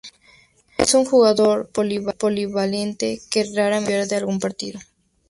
Es un jugador polivalente que raramente se pierde algún partido.